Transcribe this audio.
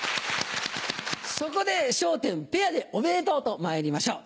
そこで「笑点ペアでおめでとう」とまいりましょう。